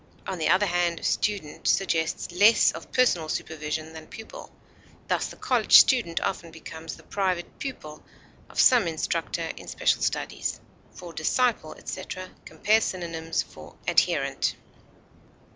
On the other hand, student suggests less of personal supervision than pupil; thus, the college student often becomes the private pupil of some instructor in special studies. For disciple, etc., compare synonyms for ADHERENT.